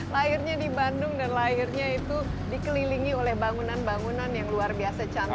lahirnya di bandung dan lahirnya itu dikelilingi oleh bangunan bangunan yang luar biasa cantik